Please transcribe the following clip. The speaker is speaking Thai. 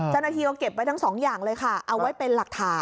จนกว่าที่เขาเก็บไปทั้ง๒อย่างเลยค่ะเอาไว้เป็นหลักฐาน